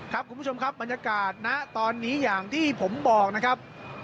คุณผู้ชมครับบรรยากาศนะตอนนี้อย่างที่ผมบอกนะครับ